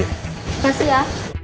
terima kasih ya